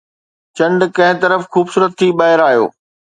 چنڊ ڪنهن طرف خوبصورت ٿي ٻاهر آيو